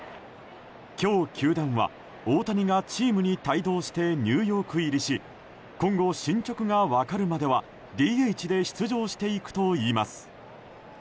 今日、球団は大谷がチームに帯同してニューヨーク入りし今後、進捗が分かるまではＤＨで出場していくといいます。